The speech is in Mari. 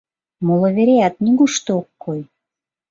Моло вереат нигушто ок кой.